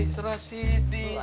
serah si dik